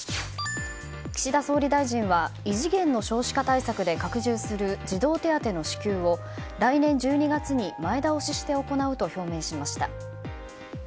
岸田総理大臣は異次元の少子化対策で拡充する児童手当の支給を来年１２月に前倒しして行うと表明しました。